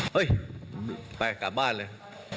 เฮ้ยไปกลับบ้านเลย